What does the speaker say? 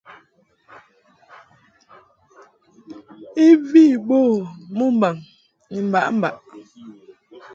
I vi mɨ mo mɨmbaŋ ni mbaʼmbaʼ.